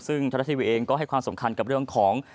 ซึ่งทรัฐทีวีเองก็ให้ความสำคัญกับเรื่องของ